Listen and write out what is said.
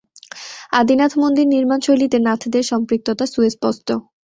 আদিনাথ মন্দির নির্মাণশৈলীতে নাথদের সম্পৃক্ততা সুস্পষ্ট।